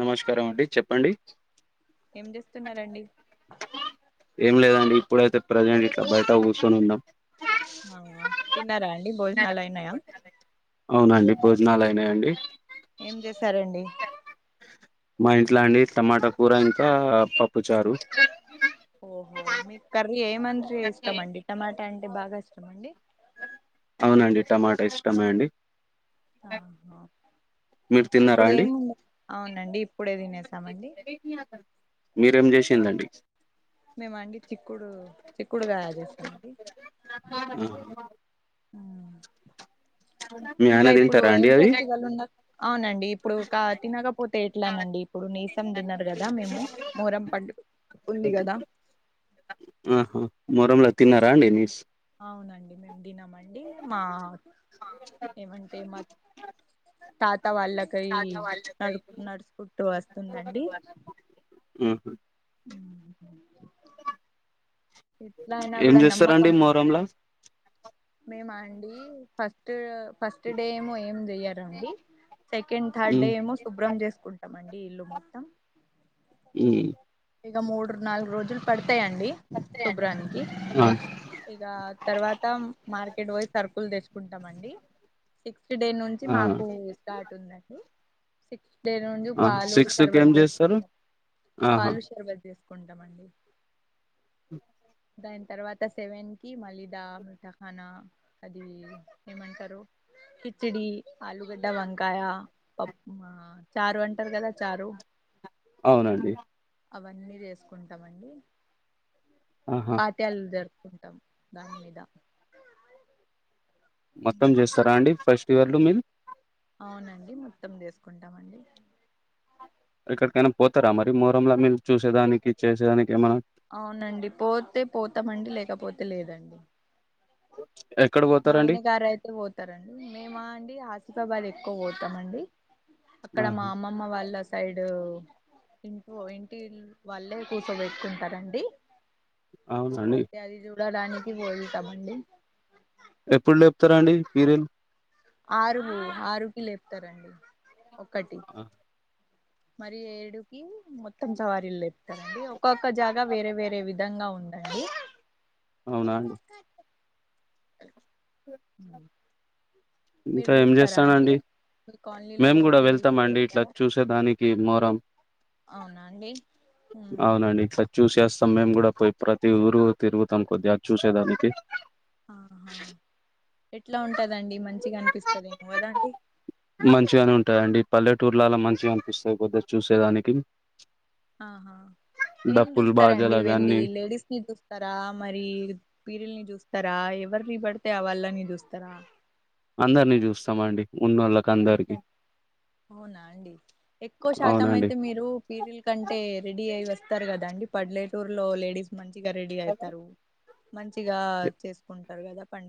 నమస్కారం అండి చెప్పండి ఏం చేస్తున్నారండి ఏం లేదండి ఇప్పుడైతే ప్రజెంట్ ఇట్లా బయట కూసోని ఉన్నా తిన్నారా అండి భోజనాలు అయినాయా అవునండి భోజనాలు అయినాయండి ఏం చేసారండి మా ఇంట్లా అండి టమాట కూర ఇంకా పప్పు చారు ఓహో మీకు కర్రీ ఏమంటే ఇష్టమండి టమాటా అంటే బాగా ఇష్టమా అండి అవునండి టమాటా ఇష్టమే అండి ఆ హా మీరు తిన్నారా ఇప్పుడు అండి ఏముంది అవునండి ఇప్పుడే తినేసామండి మీరేం చేసిందండి మేమాండి చిక్కుడు చిక్కుడుగాయా చేేసాం అండి ఆహా. మీ ఇంకా ఆయన ఇప్పుడు తింటారా అండి ఏం అది ఫెస్టివల్ ఉన్నా అవునండి ఇప్పుడు తినకపోతే ఎట్లానం అ ఇప్పుడు నీసం తినర్ కదా మేము మొహరం పండు ఉంది కదా ఆహా మొరంలో తినరా అండి నీస్ అవునండి మేమ్ తినమండి మా ఏమంటే మా తాత వాళ్ళకి తాత వాళ్ళకయితే నడు నడుచుకుంటూ వస్తుందండి చూడొద్దు వాళ్ళను ఆ ఏం చేస్తరండి మొరంలా మేమాండి ఫస్ట్ ఫస్ట్ డే ఏమో ఏం జెయ్యరండి సెకండ్ థర్డ్ ఉమ్ డే ఏమో శుభ్రం చేసుకుంటామండి నీళ్లు మొత్తం ఉ ఇక మూడు నాలుగు రోజులు పడ్ వస్తాయండి శుభ్రానికి ఆ ఇగ తర్వాత వోయి సర్కుల్ తెచ్చుకుంటామండి సిక్స్త్ డే నుంచి ఆ మాకు స్టార్ట్ ఉందండి దేను నుండి ఆ పాలు సిక్స్ కి ఏం షర్బత్ చేస్తారు చేసుకుంటామ్ ఆహా పాలు షర్బతు చేసు కుంటామండి దాన్ తర్వాత సెవెన్ కి మళ్ళీ దా మనా అది ఏమంటరు కిచిడి ఆలుగడ్డ వంకాయ పప్ ఆ చారు అంటరు కదా చారు అవునండి అవన్నీ చేసుకుంటామండి ఆహా పాఠ్యాల్ జరుపుకుంటాం దాని మీద మొత్తం చేస్తారా అండి ఫస్ట్ ఇయర్లు మీరు అవునండి మొత్తం దేస్కుంటామండి. ఎక్కడికైనా పోతారా మరి మొహరం లా మీరు చూసేదానికి చేసేదాని అవునండి పోతే పోతామండి లేకపోతే లేదండి ఎక్కడ మా పోతారండి ఆయన గారు అయితే పోతారండి మేము అండి హసిఫాబాద్ ఎక్కువ పోతామండి. అక్కడ ఆహా మా అమ్మమ్మ వాళ్ల సైడు ఇంట్లో ఇంటిల్ వాళ్ళే కూసోబెట్కుంటారండి. అవునండి చూడడానికి వెళ్తామండి ఎప్పుడు లేప్తారాండి పిరిల్ ఆరు ఆరుకి లేప్తారండి ఒకటి. మరి ఏడుకి మొత్తం సవారిల్ లేప్తారండి క్కొక్క జాగా వేరే వేరే విధంగా ఉందండి. అవునా అండి [inaudible] మీరు ఇంకా ఏం చూస్తారా అండి చేస్తానండి మీ కాలనీలో మేం కూడా పీరియలు వెళ్తామండి ఇట్లా చూసే దాని. కి మొరం అవునాండి హు హు తం మేం గుడా పోయి ప్రతి ఊరు తిరుగుతాం కొద్దిగా చూసేదానికి ఆహా ఎట్లా ఉంటదండి మ మంచిగా అనిపిస్తదేమో గదండి మంచిగానే ఉంటాయండి పల్లెటూర్లలా మంచిగా అనిపిస్తాది పొద్దచ్చుసేదానికి ఆహా ఏం చూస్తారండి బాజాలు అవి వెళ్ళి? అన్నీ లేడీస్ ని చూస్తారా మరి. పీరిల్ని జూస్తారా ఎవర్ని పడితే ఆ వాళ్ళని జుస్తారా అందర్నీ జూస్సమండి ళ్ల కందరికి అవునాండి ఎక్కువ శాతం అవునండి అయితే, మీరు పీరిల్ కంటే రెడీ అయి వస్. స్తారు కదండి పడ్లేటూర్లో లేడీస్ మం చిగా రెడీ అయితారు మంచిగా చేసుకుంటారు కదా పం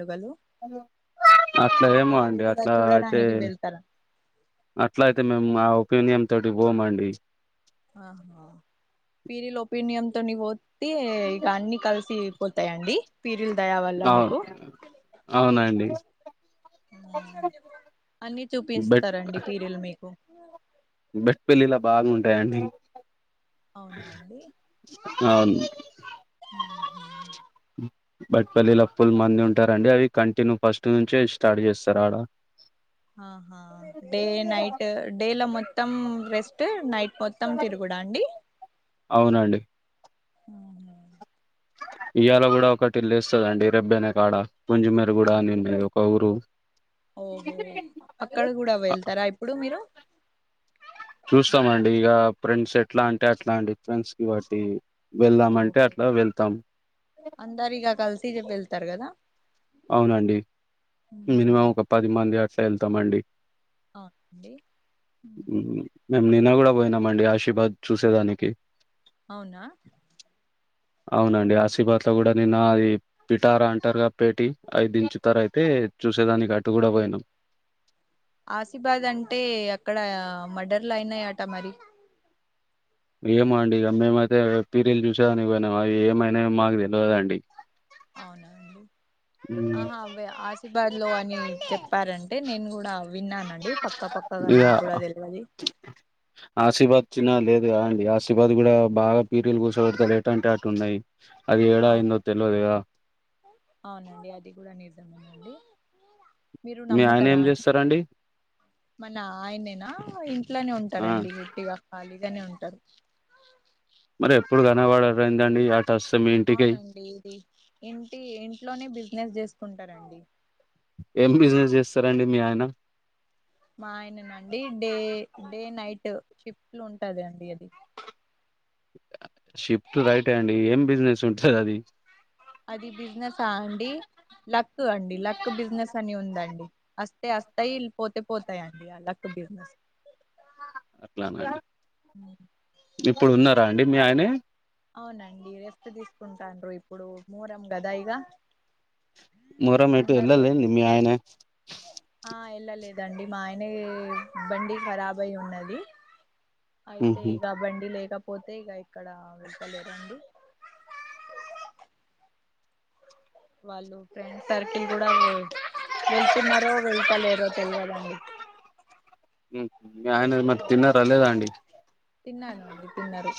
అట్లా అయితే ఏమో అది అండి కూడా అట్లా అయితే చూడడానికి వెళ్తారా అట్లయితే మేం ఆ ఒపీనియన్ తోటి పోమండి ఆహా పీరీలోపినియన్తో నిక్పో టీ ఇక అన్ని కల్సి పోతాయండి పీరిలు దయా వల్ల అవు మీకు అవునండి మ్ అన్ని బెట్ చూపిస్తారండి పీరీలు మీకు. బెక్పెళ్లిళ్ల బాగుంటాయండి అవునాండి అవును మ్ మ్. బట్పల్లిలో ఫుల్ మంది ఉంటారండి, అవి కంటిన్యూ ఫస్ట్ నుంచే స్టార్ట్ చేస్తారాడ. ఆహా డే నైట్, డే లో మొత్తం రెస్ట్ నై. మొత్తం తిరుగుడాండి అవునండి అవునా ఇయ్యల గూడా ఒకటి లేస్సదండి రెబ్బెనే కాడ పుంజిమేర గుడా నిన్నేదొ. కౌరు ఓహో అక్కడ కూడా వెళ్తార ఇప్పుడు మీరు చూస్తామండి ఇగ ఫ్రెండ్స్ ఎట్లా అంటే అట్లా అండి ఫ్రెండ్స్ కి బట్టి వెళ్దామంటే ఓహో అట్లా వెళ్తాం అందరిగ కలిసి రేపేల్ళ్తారు కదా! అవునండి మినిమం ఒక పది మంది అట్లా వెళ్తామండి అవునండి మేమ్ నిన్న కూడా పోయినామండి ఆశిబాద్ చూసేదానికి అవునా అవునండి ఆశీబాద్ లో కూడా నిన్న అది పిటారా అంటారుగా పెటి అయి దించుతారయితే చూ ఆసిబాద్ అంటే అక్కడ మడర్ లయినట మరి ఏమో అండి ఇక మేమైతే పీరిలు చూసేదానికి పోయినము అవి ఏమైనాయో మాకు తెలియదండి అవునండి హ్మ్. ఆహా అ ఆశీర్బాద్ లో అని చెప్పారంటే నేను కూడా విన్నానండి పక్కపక్కగా నాకు కూడా తెలువది ఆశిబాద్ అచ్చిన లేదు కదా అండి ఆసిబాద్ కూడా బాగా పీరిలు కూసోపెతలు ఎటు అంటే అటు ఉన్నాయి అది ఏడా అయిందో అవును తెలవదు గదా! అవునండి అది కూడా నిజమేనండి మీరు మీ ఆయన ఏం నమ్ముతారా చేస్తారండి మన ఆయనేనా ఇంట్లోనే ఆ! ఉంటారండి వట్టిగా ఖాళీగా ఇంట్లోనే ఉంటారు మరి ఎప్పుడు కనబడరండి రండి అవునండి ఇది ఇంటి ఇంట్లోనే బిజినెస్ చేసుకుంటారండి ఏం బిజినెస్ చేస్తారండి మీ ఆయన మా ఆయన అండి డే డే నైట్ షిఫ్ట్లు ఉంటదండి అది షిఫ్ట్ టు రైట్ అండి ఏం బిజినెస్ ఉంటది అది అది బిజినెస్ అండి లక్ అండి లక్ బిజినెస్ అని ఉంది అండి అస్తే అస్తాయి పోతే పోతాయి అండి ఆ లక్ బిజినెస్ అట్లానే ఇప్పుడు ఉన్నారా అండి మీ ఆయనే అవునండి రెస్ట్ తీసుకుంటార్ ఇప్పుడు మొహరం గదా యిగా మొరము ఎటు వెళ్లలే ఆయనే ఆ వెళ్ళలేదండి మా ఆయన బండి ఖరాబ్ అయి ఉన్నది. అయితే ఉహు ఇగ బండి లేకపోతే ఇగా ఇక్కడ వెళ్తలే రండి వాళ్ళు ఫ్రెండ్ సర్కిల్ కూడా వెళ్తున్నారో వెళ్తలేరో తెల్వదు ఆ ఉహు మీ ఆయన మరి తిన్నారా లేేదా అండి. తిన్నాను అండి తిన్నరు.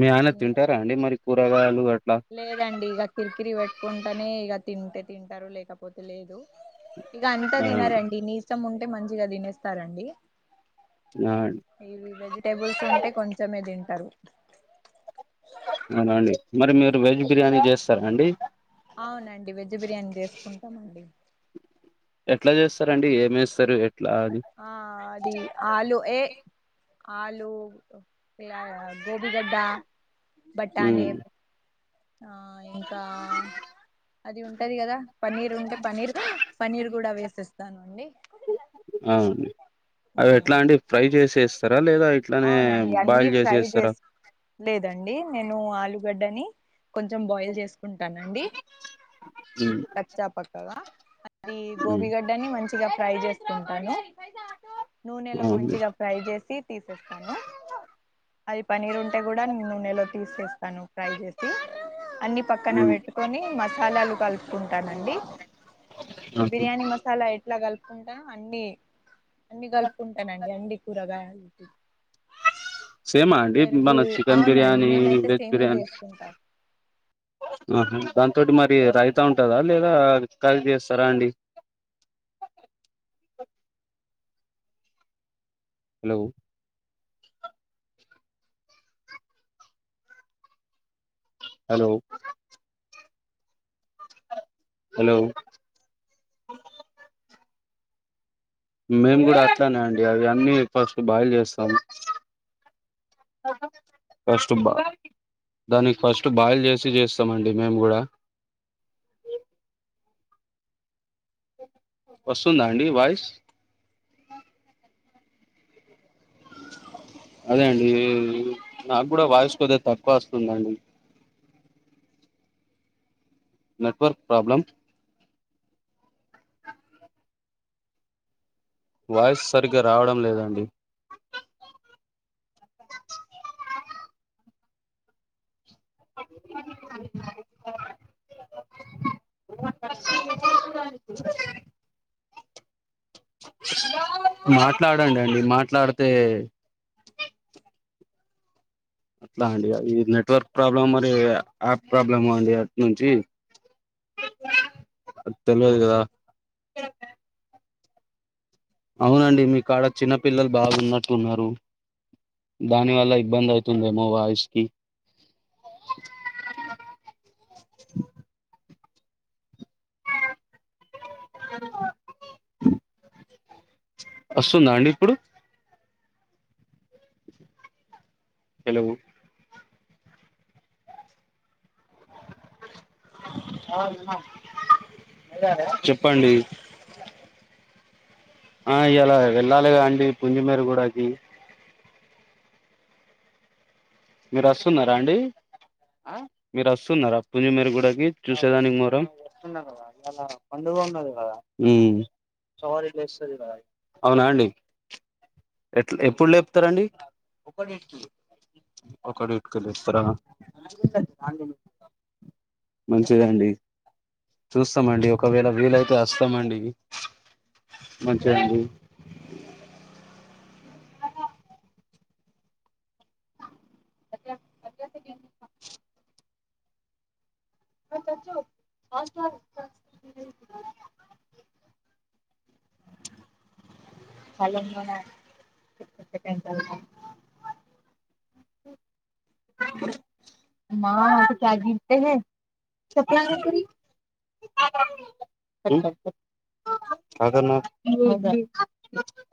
మీ ఆయన తింటారా అండి మరి కూరగాయలు అట్లా. లేదండి ఇగ కిరికిరి పెట్టుకుంటానే ఇగ తింటే తింటారు లేకపోతే లేదు. ఇగా అంతా ఆ అండి తినరండి నీరసం ఉంటే మంచిగా తినేస్తారండి ఆ అండి ఇవి వెజిటబుల్స్ ఉంటే కొంచమే తింటరు అవునా అండి మరి మీరు వెజ్ బిర్యానీ చేస్తరా అండి అవునండి వెజ్ బిర్యానీ చేసుకుంటామండి. ఎట్లా చేస్తరు అండి ఏం ఎస్తరు ఆ అది ఆలు ఆలూ ఆ గోబిగడ్డా, ఉమ్ బటాని ఆ ఇంకా అది ఉంటది కదా పన్నీర్ ఉంటే పనీర్ పన్నీర్ కూడా వేసేస్తాను అండి. అవును అవి ఎట్లా అండి ఫ్రై చేసి ఎస్తారా? అవునండి అన్ని ప్రై చేసు లేదండి నేను బఆలుగడ్డని కొంచెం బాయిల్ చేసు కును క ఉమ్ నండికచ్చా, పక్కగా అది ఉమ్ గోబిగడ్డను మంచిగా ఫ్రై చేసుకుంటాను. నూనెలో అవును మంచిగా ఫ్రై చేసి తీసేస్తాను. అది పన్నీరు ఉ కూడా నేను నూనెలో తీసేస్తాను ఫ్రై చేసి. అన్ని పక్కన ఉమ్ పెట్టుకొని మసాలాలు కలుపు కుంటానండి. ఆ. బిర్యానీ మసాలా ఎట్లా కలుపుకుంటానో అన్ టె అన్ని కలుపుకుంటానండి అన్ని కూరగాయలు సేమ్ ఆ అండి పెరుగు మన చికెన్ అవునండి బరియనీ నేనైతే వెజ్ సేమే బిరియానీ చేసుకుంటా ఆహ దాంతోటి మరి రయితా ఉంటందా లేదా కర్రీ చేస్తారా అండి. హలో హలో హలో మేము కూడా అట్లానే అండి అవి అన్నీ ఫస్ట్ బాగుచేస్తామ కస్తుబా దానికి ఫస్ట్ బాయిల్ చేసి చేస్తామండి మేము కూడా. వస్తుందా అండి వాయిస్. అదే అండి నాకు కూడా వాయిస్ కొద్దిగా తక్కువ వస్తుందండి. Network problem. వాయిస్ సరిగ్గా రావడం లేదండి. మాట్లాడండిమాట్లాడితే అట్లా అండి అది నెట్వర్క్ ప్రాబ్లమ్ మరి యాప్ ప్రాబ్లమో అండి అటు నుంచి. అ తెలివది కదా. అవునండి మీ కాడ చిన్నపిల్లలు బాగున్నట్టున్నారు. దాని వల్ల ఇబ్బంది అవుతుందేమో వాయిస్ కి. అ అ వస్తుంది అండిఇప్పుడు యలోవు చెప్పండి ఆ ఇలా వెళ్ళాలిగా అండి పుంజిమేర కూడాది మీరు వస్తున్నారా అండి మీరు వస్తున్నారు అ పుజం మీర కూడాకి చూసేదానికి మూరం కదాస్తు కద అవునా అండి ఎట్ ఎప్పుడు లేపుతారుడి ఒకటి ఇట్కళ్ళ ఇస్తారా మంచిదండి చూస్తమండి ఒకవేళ వీలయితే అస్తమండి మంచిదండి ప ప మ చ పళ్లెం కొనాలి మాంట క గతే చెప్ప అ అదనా